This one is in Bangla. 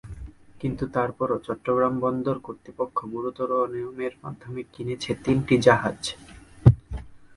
কিন্তু তারপরও চট্টগ্রাম বন্দর কর্তৃপক্ষ গুরুতর অনিয়মের মাধ্যমে কিনেছে তিনটি জাহাজ।